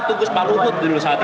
tugas pak ruput dulu saat itu